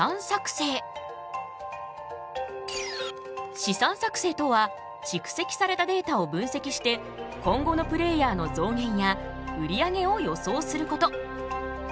試算作成とは蓄積されたデータを分析して今後のプレーヤーの増減や売り上げを予想すること。